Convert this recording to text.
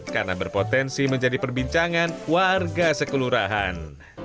karena berpotensi menjadi perbincangan warga sekelurahan